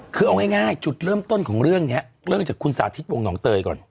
คือเอาง่ายจุดเริ่มต้นของเรื่องนี้เริ่มจากคุณสาธิตวงหนองเตยก่อน